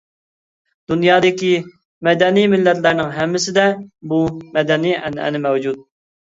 دۇنيادىكى مەدەنىي مىللەتلەرنىڭ ھەممىسىدە بۇ مەدەنىي ئەنئەنە مەۋجۇت.